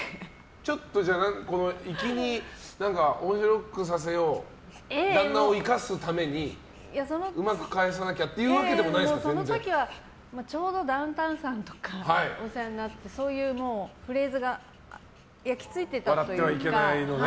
ちょっと粋に面白くさせよう旦那を生かすためにうまく返さなきゃその時はちょうどダウンタウンさんとかお世話になってそういうフレーズが焼き付いてたというか。